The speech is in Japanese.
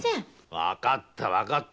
わかったわかった。